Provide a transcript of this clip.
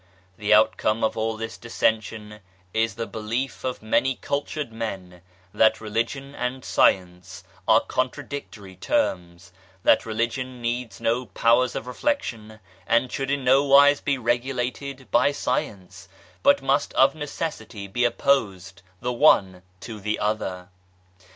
The outcome of all this dissension is the belief of many cultured men that Religion and Science are contradictory terms, that Religion needs no powers of reflection, and should in no wise be regulated by Science, but must of necessity be opposed, the one to the other.